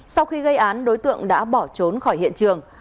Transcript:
sau khi gây án đối tượng đã bỏ trốn khỏi hiện trường